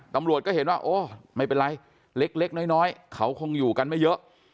ตำรวจก็เห็นว่าโอ้ไม่เป็นไรเล็กน้อยเขาคงอยู่กันไม่เยอะ